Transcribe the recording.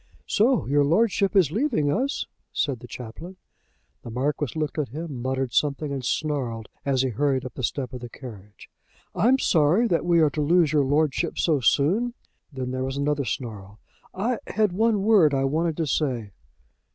"So your Lordship is leaving us," said the Chaplain. The Marquis looked at him, muttered something, and snarled as he hurried up the step of the carriage. "I'm sorry that we are to lose your Lordship so soon." Then there was another snarl. "I had one word I wanted to say."